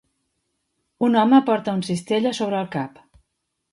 Un home porta un cistell a sobre el cap.